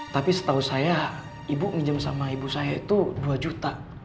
tapi setahu saya ibu minjem sama ibu saya itu dua juta